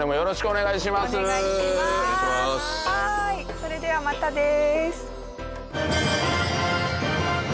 それではまたです。